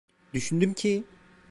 Düşündüm ki...